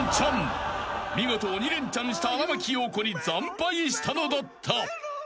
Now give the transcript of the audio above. ［見事鬼レンチャンした荒牧陽子に惨敗したのだった］